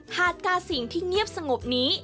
หาดกาสิ่งที่เงียบสงบนี้